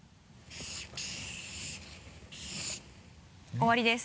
終わりです。